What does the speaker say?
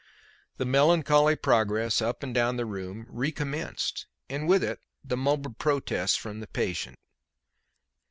The melancholy progress up and down the room re commenced, and with it the mumbled protests from the patient.